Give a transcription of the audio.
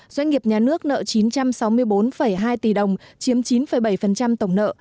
doanh nghiệp nhà nước nợ chín trăm sáu mươi bốn hai tỷ đồng chiếm chín bảy tổng nợ